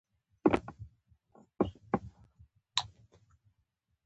هیچا نه پېژاند.